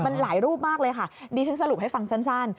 มันหลายรูปมากเลยค่ะดิฉันสรุปให้ฟังสั้น